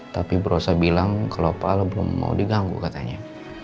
tapi brosa bilang kalau pakal belum mau diganggu katanya